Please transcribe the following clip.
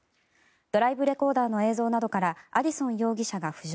ドライブレコーダーの映像などからアディソン容疑者が浮上。